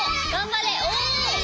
お。